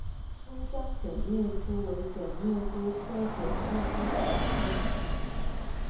新疆卷叶蛛为卷叶蛛科卷叶蛛属的动物。